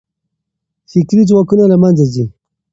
فکري ځواکونه له منځه ځي.